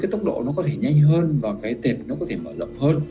tốc độ nó có thể nhanh hơn và cái tiệm nó có thể mở rộng hơn